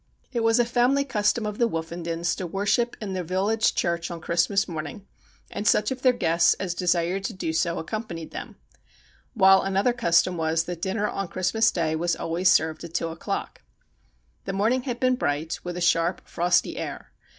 It was a family custom of the Woofendens to worship in the village church on Christmas morning, and such of their guests as desired to do so accompanied them ; while another custom was that dinner on Christmas day was always served at two o'clock. The morning had been bright, with a sharp, frosty air.